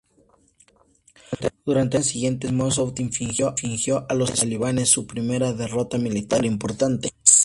Durante las semanas siguientes Massoud infligió a los talibanes su primera derrota militar importante.